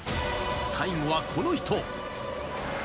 最後はこの人。